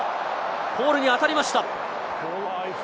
ポールに当たりました。